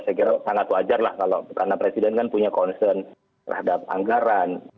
saya kira sangat wajar lah karena presiden kan punya concern terhadap anggaran